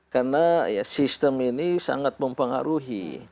karena sistem ini sangat mempengaruhi